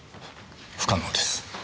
不可能です。